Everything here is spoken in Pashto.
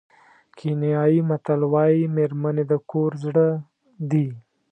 کینیايي متل وایي مېرمنې د کور زړه دي.